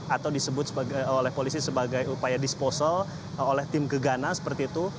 atau disebut oleh polisi sebagai upaya disposal oleh tim gegana seperti itu